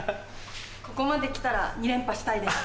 ここまで来たら２連覇したいです。